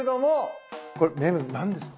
これ何ですか？